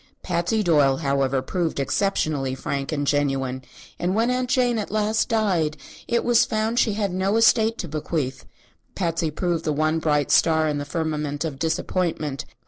Patsy Doyle, however, proved exceptionally frank and genuine, and when Aunt Jane at last died and it was found she had no estate to bequeath, Patsy proved the one bright star in the firmament of disappointment.